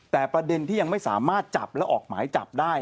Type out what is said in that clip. แต่ประเด็นที่ยังไม่สามารถจับและออกหมายจับได้